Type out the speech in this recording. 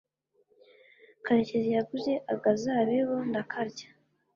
karekezi yaguze agazabibu ndakarya